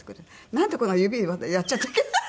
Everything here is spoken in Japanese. なんでこんな指またやっちゃったけど。